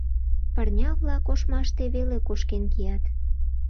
Пырня-влак ошмаште веле кошкен кият.